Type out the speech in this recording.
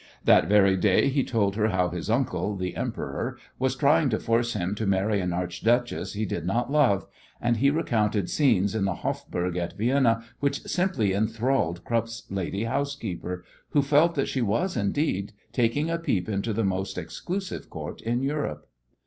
That very day he told her how his uncle, the Emperor, was trying to force him to marry an archduchess he did not love, and he recounted scenes in the Hofburg at Vienna which simply enthralled Krupp's lady housekeeper, who felt that she was, indeed, taking a peep into the most exclusive Court in Europe.